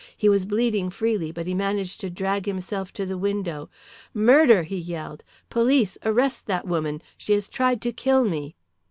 He was bleeding freely, but he managed to drag himself to the window. "Murder!" he yelled. "Police, arrest that woman; she has tried to kill me!"